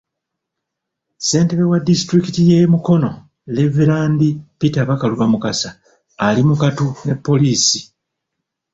Ssentebe wa disitulikiti y'e Mukono, Reverand Peter Bakaluba Mukasa, ali mu kattu ne pollisi.